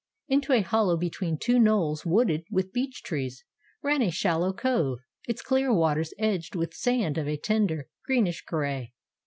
Into a hollow between two knolls wooded with beech trees, ran a shallow cove, its clear waters edged with sand of a tender, greenish gray.